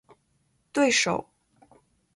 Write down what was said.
对手